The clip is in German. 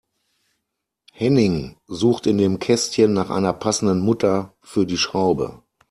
Henning sucht in dem Kästchen nach einer passenden Mutter für die Schraube.